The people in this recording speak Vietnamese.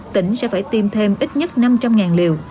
tỉnh sẽ phải tiêm thêm ít nhất năm trăm linh liều